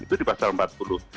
itu di pasal empat puluh